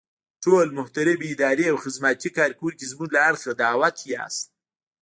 ټول محترم اداري او خدماتي کارکوونکي زمونږ له اړخه دعوت يئ.